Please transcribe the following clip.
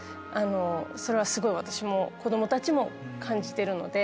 それはすごい私も子供たちも感じてるので。